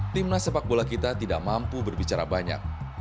timnas sepak bola kita tidak mampu berbicara banyak